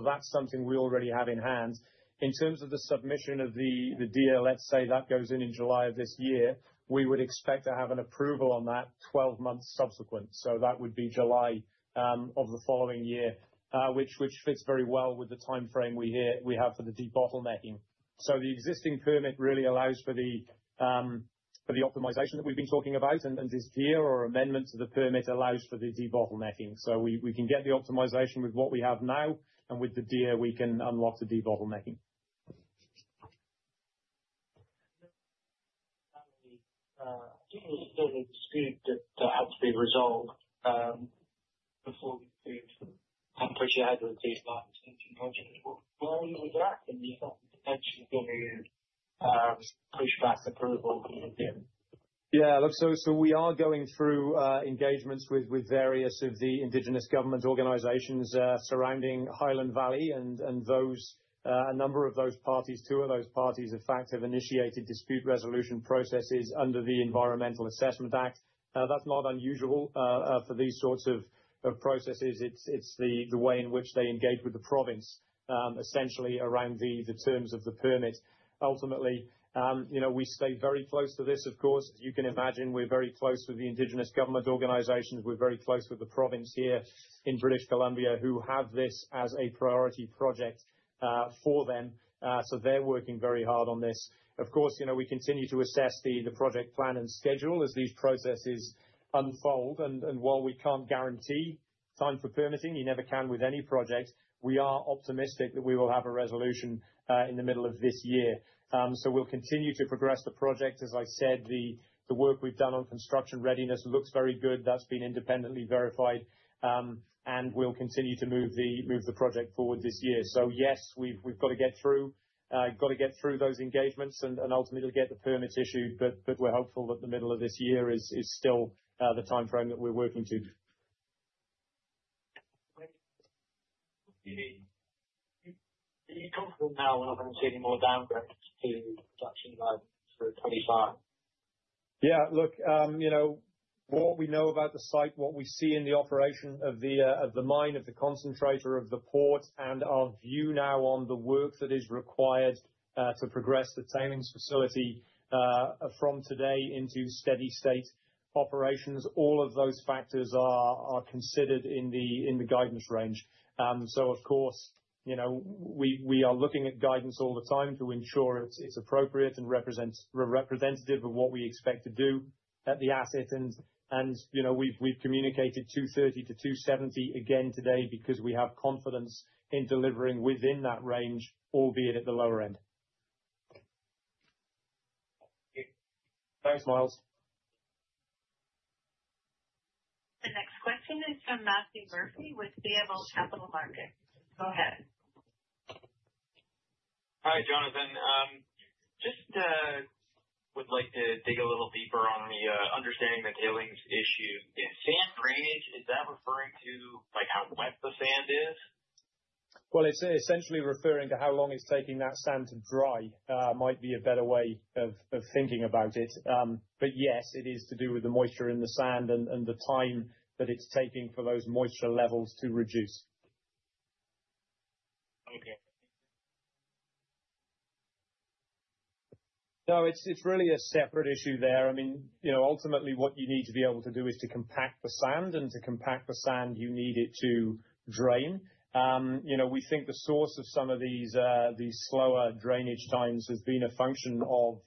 That's something we already have in hand. In terms of the submission of the DL, let's say that goes in in July of this year, we would expect to have an approval on that 12 months subsequent. That would be July of the following year, which fits very well with the timeframe we have for the debottlenecking. The existing permit really allows for the optimization that we've been talking about, and this DL or amendment to the permit allows for the debottlenecking. We can get the optimization with what we have now, and with the DL, we can unlock the debottlenecking. You said it's good to have to be resolved before we could push ahead with these large-scale projects. Where are you with that? Do you think the potential will be pushed back approval to begin? Yeah. Look, we are going through engagements with various of the indigenous government organizations surrounding Highland Valley, and a number of those parties, two of those parties, in fact, have initiated dispute resolution processes under the Environmental Assessment Act. That's not unusual for these sorts of processes. It's the way in which they engage with the province, essentially around the terms of the permit. Ultimately, we stay very close to this, of course. As you can imagine, we're very close with the indigenous government organizations. We're very close with the province here in British Columbia who have this as a priority project for them. They are working very hard on this. Of course, we continue to assess the project plan and schedule as these processes unfold. While we can't guarantee time for permitting, you never can with any project, we are optimistic that we will have a resolution in the middle of this year. We will continue to progress the project. As I said, the work we've done on construction readiness looks very good. That has been independently verified. We will continue to move the project forward this year. Yes, we've got to get through those engagements, and ultimately get the permit issued. We're hopeful that the middle of this year is still the timeframe that we're working to. Are you comfortable now with us seeing more downgrades to production by 2025? Yeah. Look, what we know about the site, what we see in the operation of the mine, of the concentrator, of the port, and our view now on the work that is required to progress the tailings facility from today into steady state operations, all of those factors are considered in the guidance range. Of course, we are looking at guidance all the time to ensure it's appropriate and representative of what we expect to do at the asset. We've communicated 230-270 again today because we have confidence in delivering within that range, albeit at the lower end. Thanks, Myles. The next question is from Matthew Murphy with BMO Capital Markets. Go ahead. Hi, Jonathan. Just would like to dig a little deeper on the understanding the tailings issue in sand drainage. Is that referring to how wet the sand is? It's essentially referring to how long it's taking that sand to dry might be a better way of thinking about it. Yes, it is to do with the moisture in the sand and the time that it's taking for those moisture levels to reduce. Okay. No, it's really a separate issue there. I mean, ultimately, what you need to be able to do is to compact the sand. To compact the sand, you need it to drain. We think the source of some of these slower drainage times has been a function of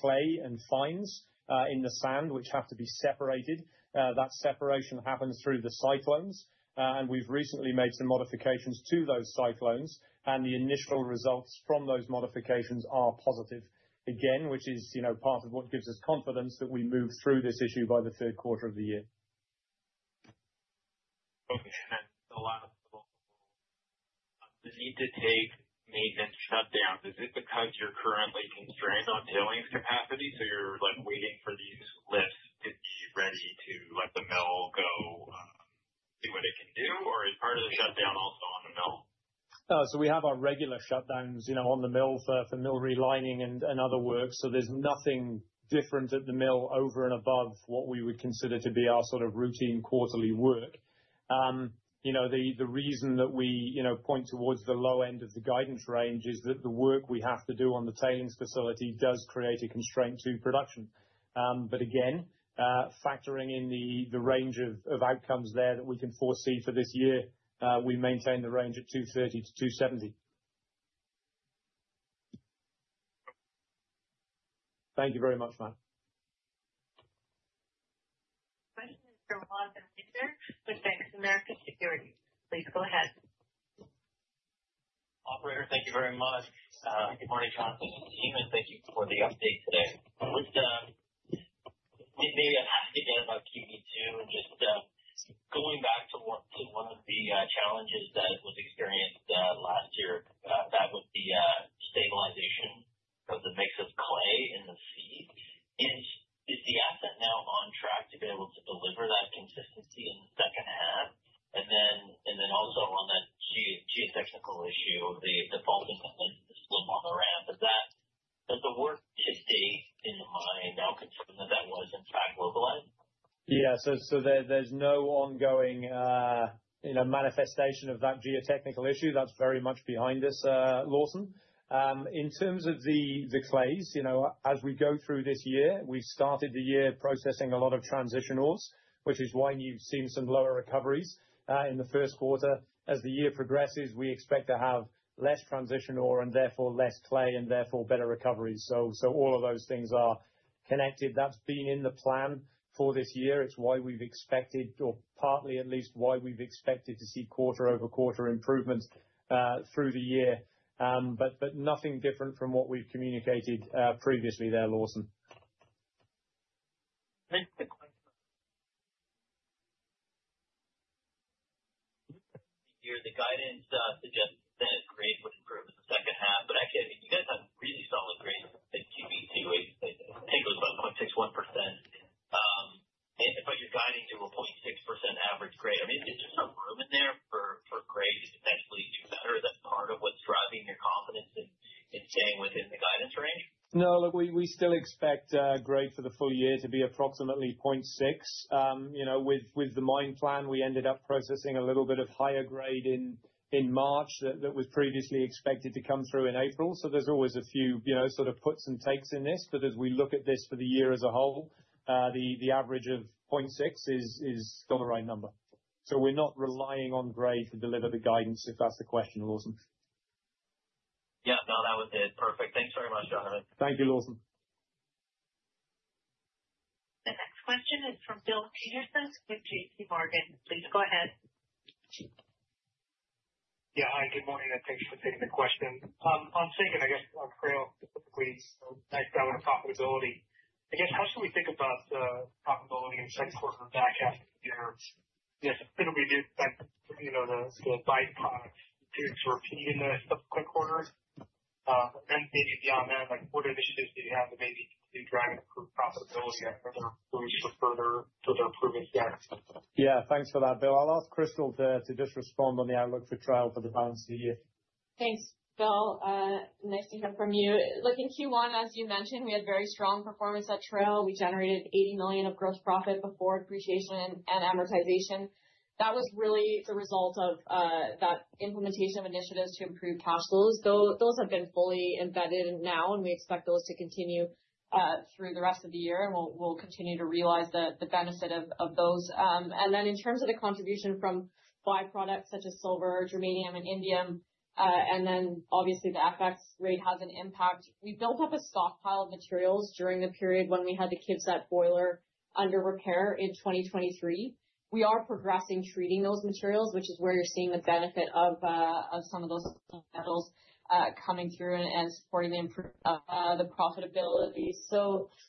clay and fines in the sand, which have to be separated. That separation happens through the cyclones. We've recently made some modifications to those cyclones. The initial results from those modifications are positive, again, which is part of what gives us confidence that we move through this issue by the third quarter of the year. Okay. The last of all, the need to take maintenance shutdown, is it because you're currently constrained on tailings capacity? You're waiting for these lifts to be ready to let the mill go do what it can do? Is part of the shutdown also on the mill? We have our regular shutdowns on the mill for mill relining and other work. There is nothing different at the mill over and above what we would consider to be our sort of routine quarterly work. The reason that we point towards the low end of the guidance range is that the work we have to do on the tailings facility does create a constraint to production. Again, factoring in the range of outcomes there that we can foresee for this year, we maintain the range at 230-270.Thank you very much, Matt. Question is from Lawson Winder with Bank of America Security. Please go ahead. Operator, thank you very much. Good morning, Jonathan and team. Thank you for the update today. Maybe I'll ask again about QB2 and just going back to one of the challenges that was experienced last year, that was the stabilization of the mix of clay in the feed. Is the asset now on track to be able to deliver that consistency in the second half? Also, on that geotechnical issue, the fault in the slope on the ramp, does the work to date in the mine now confirm that that was, in fact, localized? Yeah. There is no ongoing manifestation of that geotechnical issue. That's very much behind us, Lawson. In terms of the clays, as we go through this year, we've started the year processing a lot of transition ores, which is why you've seen some lower recoveries in the first quarter. As the year progresses, we expect to have less transition ore and therefore less clay and therefore better recoveries. All of those things are connected. That's been in the plan for this year. It's why we've expected, or partly at least why we've expected to see quarter-over-quarter improvements through the year. Nothing different from what we've communicated previously there, Lawson. Thank you. The guidance suggests that grade would improve in the second half. Actually, I mean, you guys have really solid grades. QB2, I think it was about 0.61%. You're guiding to a 0.6% average grade. I mean, is there some room in there for grade to potentially do better? Is that part of what's driving your confidence in staying within the guidance range? No, look, we still expect grade for the full year to be approximately 0.6. With the mine plan, we ended up processing a little bit of higher grade in March that was previously expected to come through in April. There are always a few sort of puts and takes in this. As we look at this for the year as a whole, the average of 0.6 is still the right number. We are not relying on grade to deliver the guidance if that's the question, Lawson. Yeah. No, that was it. Perfect. Thanks very much, Jonathan. Thank you, Lawson. The next question is from Bill Peterson with J.P. Morgan. Please go ahead. Yeah. Hi, good morning. And thanks for taking the question. On second, I guess, on scale specifically, next down to profitability. I guess, how should we think about profitability in the second quarter and back half of the year? Yes. I think we do expect the byproducts to repeat in the quick quarters. And then maybe beyond that, what initiatives do you have that maybe can drive improved profitability or further improvements there? Yeah. Thanks for that, Bill. I'll ask Crystal to just respond on the outlook for Trail for the balance of the year. Thanks, Bill. Nice to hear from you. Look, in Q1, as you mentioned, we had very strong performance at Trail. We generated $80 million of gross profit before depreciation and amortization. That was really the result of that implementation of initiatives to improve cash flows. Those have been fully embedded now, and we expect those to continue through the rest of the year. We will continue to realize the benefit of those. In terms of the contribution from byproducts such as silver, germanium, and indium, the FX rate has an impact. We built up a stockpile of materials during the period when we had the Kivset boiler under repair in 2023. We are progressing treating those materials, which is where you are seeing the benefit of some of those metals coming through and supporting the profitability.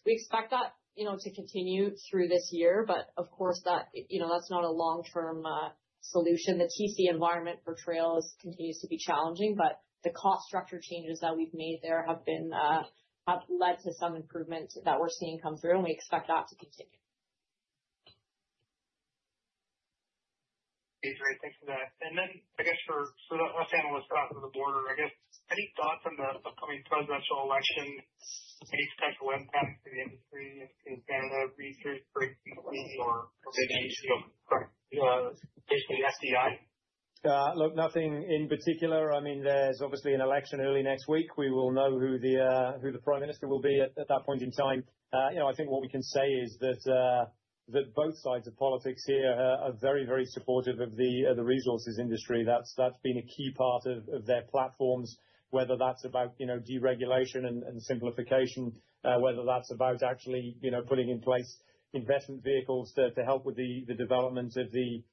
We expect that to continue through this year. Of course, that is not a long-term solution. The TC environment for Trail continues to be challenging. The cost structure changes that we have made there have led to some improvement that we are seeing come through, and we expect that to continue. Okay great, thanks for that. I guess for us analysts out of the border, I guess, any thoughts on the upcoming presidential election? Any potential impact to the industry in Canada? Research for QB or basically FDI? Look, nothing in particular. I mean, there's obviously an election early next week. We will know who the Prime Minister will be at that point in time. I think what we can say is that both sides of politics here are very, very supportive of the resources industry. That's been a key part of their platforms, whether that's about deregulation and simplification, whether that's about actually putting in place investment vehicles to help with the development of the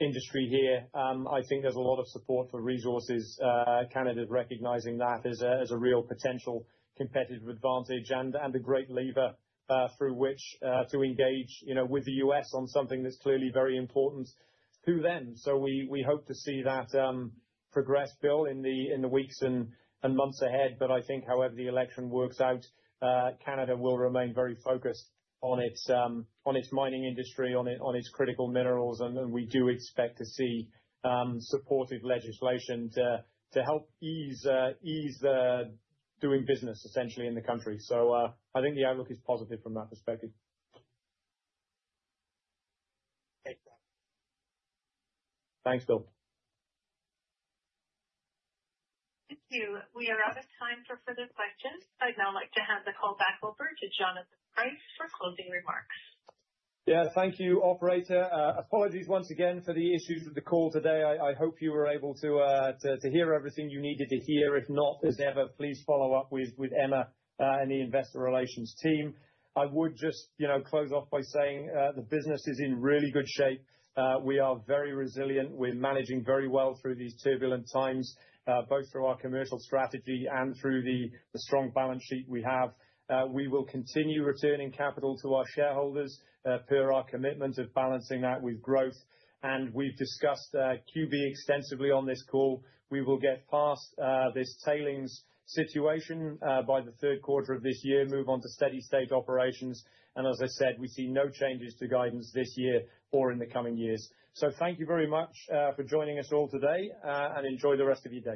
industry here. I think there's a lot of support for resources. Canada is recognizing that as a real potential competitive advantage and a great lever through which to engage with the US on something that's clearly very important to them. We hope to see that progress, Bill, in the weeks and months ahead. I think, however the election works out, Canada will remain very focused on its mining industry, on its critical minerals. We do expect to see supportive legislation to help ease doing business, essentially, in the country. I think the outlook is positive from that perspective. Thanks, Bill. Thank you. We are out of time for further questions. I'd now like to hand the call back over to Jonathan Price for closing remarks. Yeah. Thank you, Operator. Apologies once again for the issues with the call today. I hope you were able to hear everything you needed to hear. If not, as ever, please follow up with Emma and the investor relations team. I would just close off by saying the business is in really good shape. We are very resilient. We're managing very well through these turbulent times, both through our commercial strategy and through the strong balance sheet we have. We will continue returning capital to our shareholders per our commitment of balancing that with growth. We've discussed QB extensively on this call. We will get past this tailings situation by the third quarter of this year, move on to steady state operations. As I said, we see no changes to guidance this year or in the coming years. Thank you very much for joining us all today, and enjoy the rest of your day.